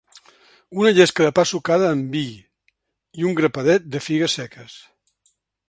Una llesca de pa sucada en vi, i un grapadet de figues seques.